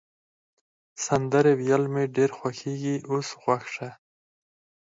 سندرې ویل مي ډېر خوښیږي، اوس غوږ شه.